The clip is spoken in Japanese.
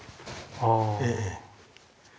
ええ。